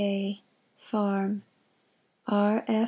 A., Farm R.